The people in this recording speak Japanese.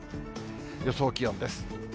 予想気温です。